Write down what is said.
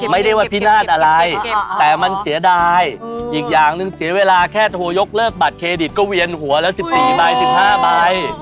ไม่ได้ว่าพินาศอะไรแต่มันเสียดายอีกอย่างหนึ่งเสียเวลาแค่โทรยกเลิกบัตรเครดิตก็เวียนหัวแล้ว๑๔ใบ๑๕ใบ